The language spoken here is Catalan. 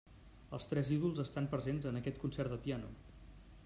Els tres ídols estan presents en aquest concert de piano.